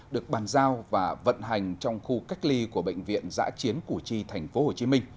được bàn giao và vận hành trong khu cách ly của bệnh viện giã chiến củ chi tp hcm